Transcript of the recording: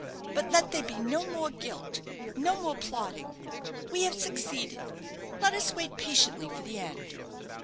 But let there be no more guilt no more plotting. We have succeeded. Let us wait patiently for the end."